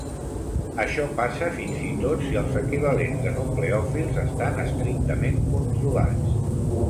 Això passa fins i tot si els equivalents de nucleòfils estan estrictament controlats.